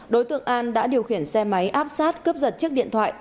đối tượng an đã điều khiển xe máy áp sát cướp giật chiếc điện thoại